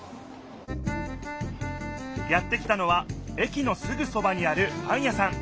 やって来たのは駅のすぐそばにあるパン屋さん